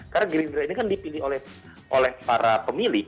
karena girindra ini kan dipilih oleh para pemilih